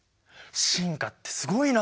進化ってすごいな！